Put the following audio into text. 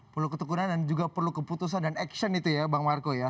perlu ketekunan dan juga perlu keputusan dan action itu ya bang marco ya